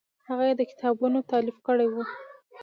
هغه یې د کتابونو تالیف کړی و.